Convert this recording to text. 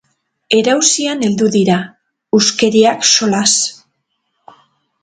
Erausian heldu dira, huskeriak solas.